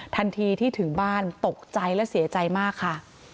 ทันทีที่ถึงบ้านตกใจและเสียใจมากค่ะ